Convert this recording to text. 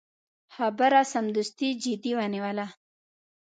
خبره سمدستي جدي ونیوله.